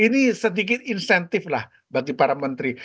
ini sedikit insentif lah bagi para menteri